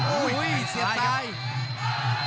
โอ้โหเสียบตายครับ